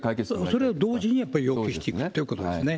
それも同時にやっぱりよくしていくということですよね。